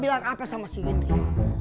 tidak ada yang bisa dipercaya